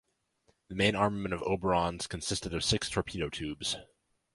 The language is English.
The main armament of the "Oberon"s consisted of six torpedo tubes.